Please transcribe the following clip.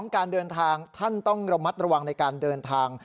การเดินทางท่านต้องระมัดระวังในการเดินทาง